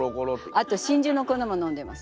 あと真珠の粉も飲んでます。